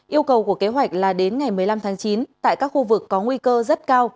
yêu cầu của kế hoạch là đến ngày một mươi năm tháng chín tại các khu vực có nguy cơ rất cao